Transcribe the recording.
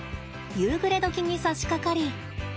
夕暮れ時にさしかかり。